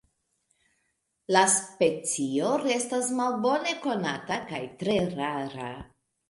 La specio restas malbone konata kaj tre rara.